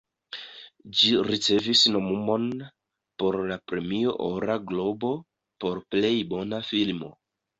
Ĝi ricevis nomumon por la Premio Ora Globo por Plej bona Filmo.